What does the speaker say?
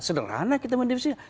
sederhana kita mendivisi